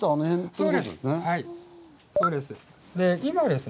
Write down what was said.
そうです。